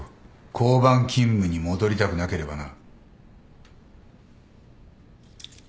交番勤務に戻りたくなければな。